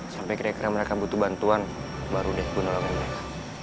sampai kira kira mereka butuh bantuan baru deh gue nolongin mereka